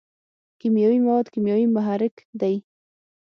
کیمیاوي مواد کیمیاوي محرک دی.